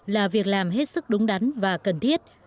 là việc làm hết sức đúng đắn và cần thiết